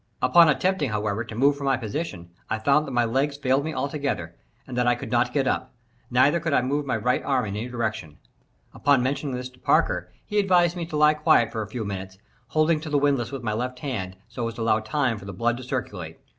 Upon attempting, however, to move from my position, I found that my legs failed me altogether, and that I could not get up; neither could I move my right arm in any direction. Upon mentioning this to Parker, he advised me to lie quiet for a few minutes, holding on to the windlass with my left hand, so as to allow time for the blood to circulate.